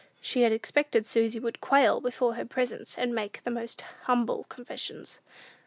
She had expected Susy would quail before her presence and make the most humble confessions.